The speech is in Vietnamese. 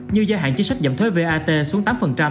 như gia hạn chính sách giảm thuế vat xuống tám